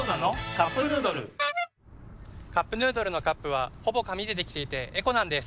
「カップヌードル」「カップヌードル」のカップはほぼ紙でできていてエコなんです。